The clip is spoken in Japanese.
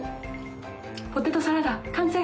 ポテトサラダ完成！